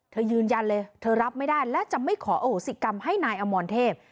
ยืนยันเลยเธอรับไม่ได้และจะไม่ขอโอโหสิกรรมให้นายอมรเทพ